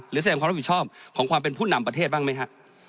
แสดงความรับผิดชอบของความเป็นผู้นำประเทศบ้างไหมฮะ